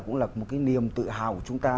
cũng là một cái niềm tự hào của chúng ta